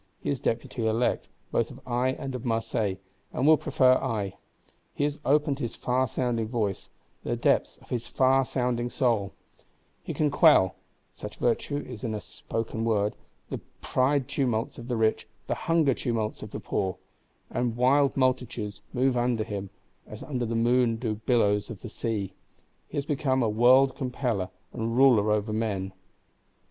He is Deputy Elect, both of Aix and of Marseilles; but will prefer Aix. He has opened his far sounding voice, the depths of his far sounding soul; he can quell (such virtue is in a spoken word) the pride tumults of the rich, the hunger tumults of the poor; and wild multitudes move under him, as under the moon do billows of the sea: he has become a world compeller, and ruler over men.